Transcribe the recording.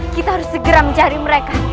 kita harus segera mencari mereka